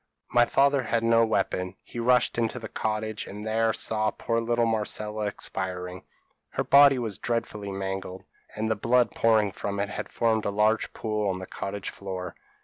My father had no weapon; he rushed into the cottage, and there saw poor little Marcella expiring. Her body was dreadfully mangled, and the blood pouring from it had formed a large pool on the cottage floor.